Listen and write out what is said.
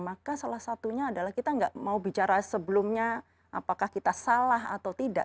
maka salah satunya adalah kita nggak mau bicara sebelumnya apakah kita salah atau tidak